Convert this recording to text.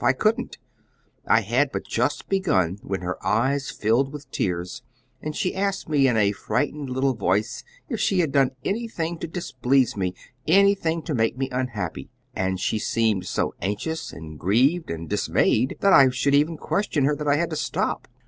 I couldn't. I had but just begun when her eyes filled with tears, and she asked me in a frightened little voice if she had done anything to displease me, anything to make me unhappy; and she seemed so anxious and grieved and dismayed that I should even question her, that I had to stop."